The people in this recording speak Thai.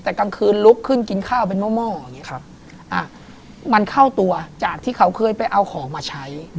แต่กลางคืนลุกขึ้นกินข้าวเป็นหม้ออย่างนี้มันเข้าตัวจากที่เขาเคยไปเอาของมาใช้